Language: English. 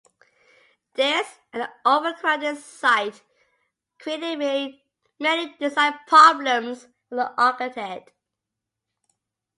This, and the overcrowded site, created many design problems for the architect.